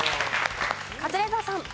カズレーザーさん。